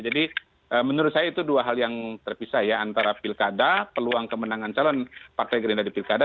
jadi menurut saya itu dua hal yang terpisah ya antara pilkada peluang kemenangan calon partai gerindra di pilkada